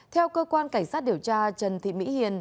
theo cơ quan cảnh sát điều tra trần thị mỹ hiền